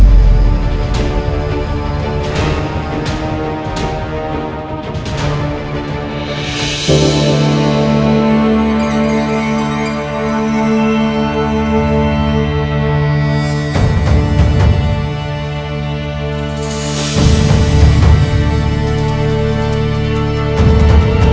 tidak akan terjadi